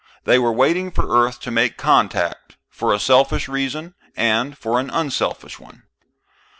They were waiting for Earth to make contact, for a selfish reason and for an unselfish one.